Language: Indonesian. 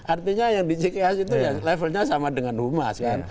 artinya yang di cks itu ya levelnya sama dengan humas kan